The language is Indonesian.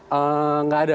hmm nggak ada